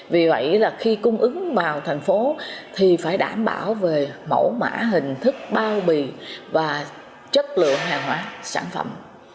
vì vậy là khi cung ứng vào thành phố thì phải đảm bảo về mẫu mã hình thức bao bì và chất lượng hàng hóa sản phẩm